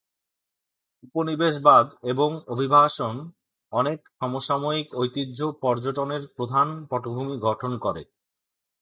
উপনিবেশবাদ এবং অভিবাসন অনেক সমসাময়িক ঐতিহ্য পর্যটনের প্রধান পটভূমি গঠন করে।